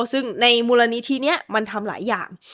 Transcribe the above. ซึ่งในมูลนิธินี้มันทำหลายอย่าง